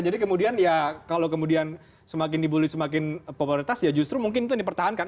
jadi kemudian ya kalau kemudian semakin dibully semakin popularitas ya justru mungkin itu yang dipertahankan